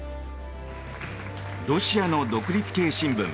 ロシアの独立系新聞